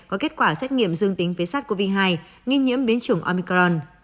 có kết quả xét nghiệm dương tính với sars cov hai nghi nhiễm biến chủng omicron